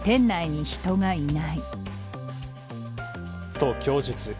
と供述。